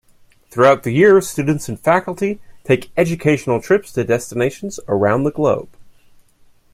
Throughout the year students and faculty take educational trips to destinations around the globe.